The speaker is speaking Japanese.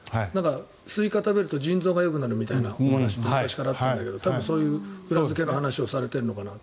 スイカ食べると腎臓がよくなるという話昔からあったけど多分、そういう裏付けの話をしているのかなと。